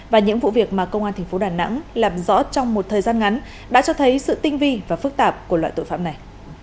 và những vụ việc mà công an thành phố đà nẵng làm rõ trong một thời gian ngắn đã cho thấy sự tinh vi và phức tạp của loại tội phạm này